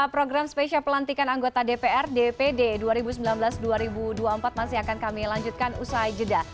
program spesial pelantikan anggota dpr dpd dua ribu sembilan belas dua ribu dua puluh empat masih akan kami lanjutkan usai jeda